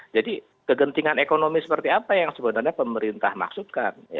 jadi kegentingan ekonomi seperti apa yang sebenarnya pemerintah maksudkan